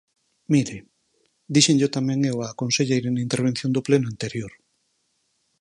Mire, díxenllo tamén eu á conselleira na intervención do pleno anterior.